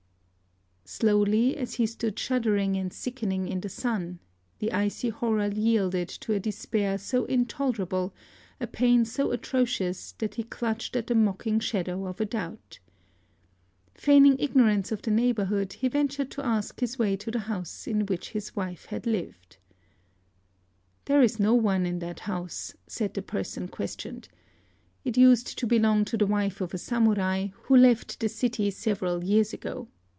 Slowly, as he stood shuddering and sickening in the sun, the icy horror yielded to a despair so intolerable, a pain so atrocious, that he clutched at the mocking shadow of a doubt. Feigning ignorance of the neighborhood, he ventured to ask his way to the house in which his wife had lived. "There is no one in that house," said the person questioned. "It used to belong to the wife of a Samurai who left the city several years ago.